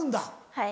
はい。